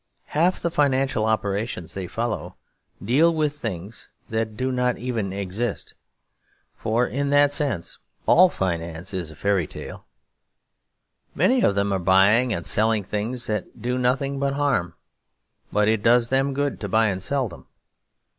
Half the financial operations they follow deal with things that do not even exist; for in that sense all finance is a fairy tale. Many of them are buying and selling things that do nothing but harm; but it does them good to buy and sell them.